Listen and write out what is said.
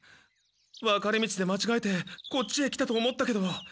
分かれ道でまちがえてこっちへ来たと思ったけど。